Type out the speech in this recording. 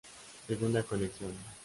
Segunda colección.